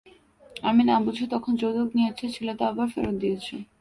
আমি না বুঝে তখন যৌতুক নিয়েছি, ছেলে তা আবার ফেরত দিয়েছে।